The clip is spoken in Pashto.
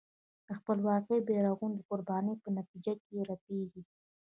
د خپلواکۍ بېرغونه د قربانۍ په نتیجه کې رپېږي.